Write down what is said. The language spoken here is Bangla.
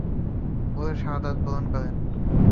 পরে শাহাদাত বরণ করেন।